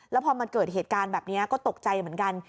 แล้วพอมันเกิดเหตุการณ์แบบนี้ก็ตกใจเหมือนกัน